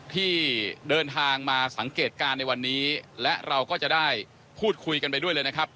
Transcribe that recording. ที่เดินทางมาสังเกตการณ์ในวันนี้และเราก็จะได้พูดคุยกันไปด้วยเลยนะครับ